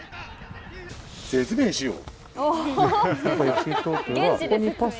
説明しよう。